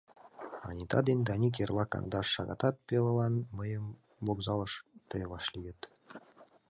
Анита ден Даник эрла кандаш шагатат пелылан мыйым вокзалыште вашлийыт.